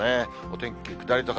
お天気下り坂。